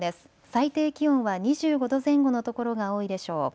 最低気温は２５度前後の所が多いでしょう。